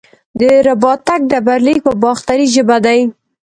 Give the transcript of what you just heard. د رباتک ډبرلیک په باختري ژبه دی